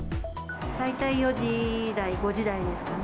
大体４時台、５時台ですかね。